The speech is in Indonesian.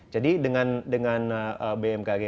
jadi dengan bmkg